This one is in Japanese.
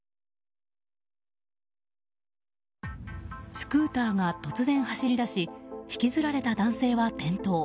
スクーターが突然走り出し引きずられた男性は転倒。